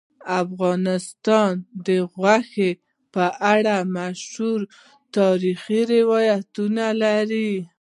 افغانستان د غوښې په اړه مشهور تاریخی روایتونه لري.